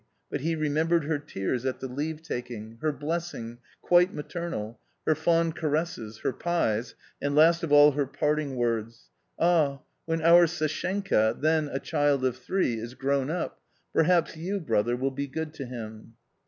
but he remembered her tears at the leave taking, her blessing, quite maternal, her fond caresses, her pies, and last of all her parting words :" Ah, when our Sashenka — then a child of three — is grown up, perhaps you, brother, will be good to him."